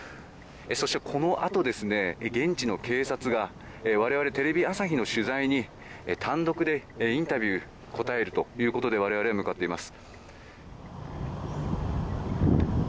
そして、このあと現地の警察が我々テレビ朝日の取材に単独インタビューに答えるということで我々、向かっています。